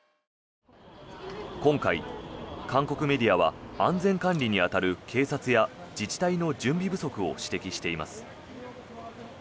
今回、韓国メディアは安全管理に当たる警察や自治体の準備不足を指摘しています。